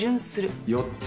４つ。